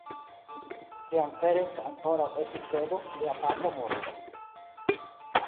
Kiam Ferenc ankoraŭ estis bebo, lia patro mortis.